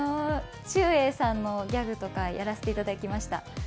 ちゅうえいさんのギャグとかやらせていただきました。